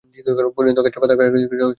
পরিণত গাছের পাতা আকারে কিছুটা ছোট হয়ে আসে।